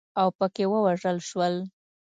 اوپکي ووژل شول.